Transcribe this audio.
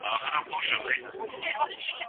زه مخکي سبزیجات وچولي وو